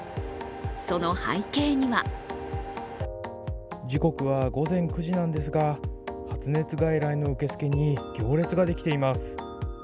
その背景には時刻は午前９時なんですが、発熱外来の受け付けに行列ができています。